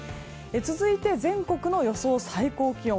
続いて、全国の予想最高気温。